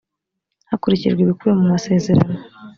hakurikijwe ibikubiye mu masezerano